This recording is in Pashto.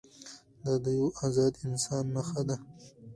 دا د یوه ازاد انسان نښه ده.